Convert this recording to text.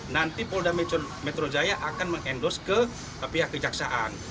nanti polda metro jaya akan mengendos ke pihak kejaksaan